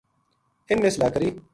اِنھ نے صلاح کری